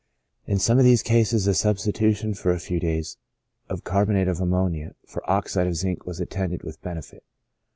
In some of these cases, the substitution, for a few days, of carbonate of ammonia for oxide of zinc was attended with benefit.